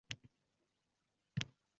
Otalar bolasidan tonayotgan payti